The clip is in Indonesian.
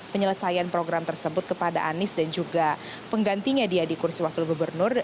penyelesaian program tersebut kepada anies dan juga penggantinya dia di kursi wakil gubernur